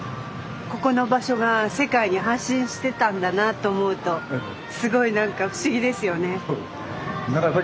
ここの場所が世界に発信してたんだなと思うとすごい何か不思議ですよね。